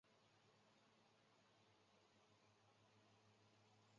父亲李晟。